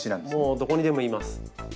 どこにでもいます。